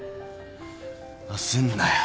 焦んなよ。